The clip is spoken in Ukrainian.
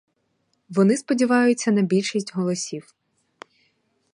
Вони сподіваються на більшість голосів.